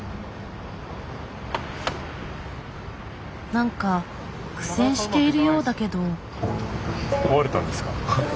何か苦戦しているようだけど。